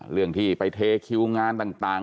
เรื่องที่ไปเทคิวงานต่าง